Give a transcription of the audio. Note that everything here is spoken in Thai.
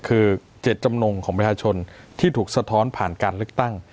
คือเจตจำนงของประชาชนที่ถูกสะท้อนผ่านการเลือกตั้ง